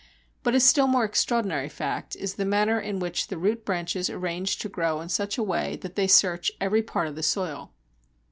But a still more extraordinary fact is the manner in which the root branches arrange to grow in such a way that they search every part of the soil.